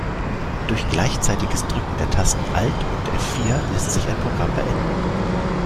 Durch gleichzeitiges Drücken der Tasten Alt und F-vier lässt sich ein Programm beenden.